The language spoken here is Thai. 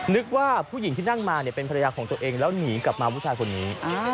นึกว่าผู้หญิงที่นั่งมาเป็นภรรยาของตัวเองแล้วหนีกลับมาผู้ชายคนนี้